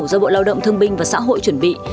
do bộ lao động thương binh và xã hội chuẩn bị